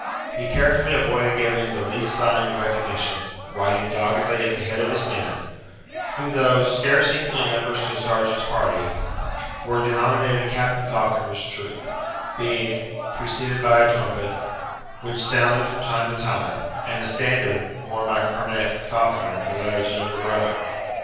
He carefully avoided giving the least sign of recognition, riding doggedly at the head of his men, who, though scarce equal in numbers to a sergeant's party, were denominated Captain Falconer's troop, being preceded by a trumpet, which sounded from time to time, and a standard, borne by Cornet Falconer, the laird's younger brother.